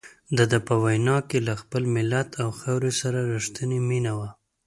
دده په وینا کې له خپل ملت او خاورې سره رښتیني مینه وه.